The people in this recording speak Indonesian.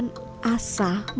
dan juga gambaran